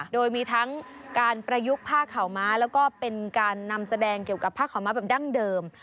โดยมีทั้งการประยุกต์ผ้าขาวม้าแล้วก็เป็นการนำแสดงเกี่ยวกับผ้าขาวม้าแบบดั้งเดิม